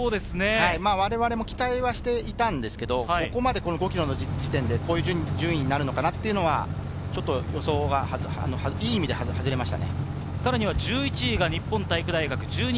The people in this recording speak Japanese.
我々も期待はしていたんですけれど、ここまで５ｋｍの時点でこういう順位になるとは予想が、いい意味で外れました。